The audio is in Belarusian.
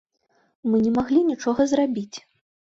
Мы не маглі нічога зрабіць.